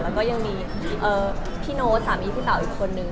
แล้วก็ยังมีพี่โน้ตสามีพี่เต๋าอีกคนนึง